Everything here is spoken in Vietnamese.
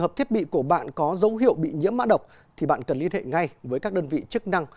hợp thiết bị của bạn có dấu hiệu bị nhiễm mã độc thì bạn cần liên hệ ngay với các đơn vị chức năng